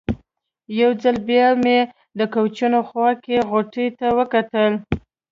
یو ځل بیا مې د کوچونو خوا کې غوټو ته وکتل.